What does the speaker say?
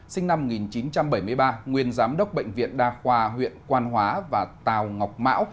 sinh năm một nghìn chín trăm bảy mươi ba nguyên giám đốc bệnh viện đa khoa huyện quan hóa và tàu ngọc mão